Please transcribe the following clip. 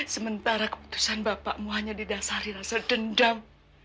sementara keputusan bapakmu hanya didasari rasa dendam